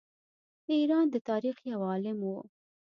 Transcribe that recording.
د ایران د تاریخ یو عالم وو.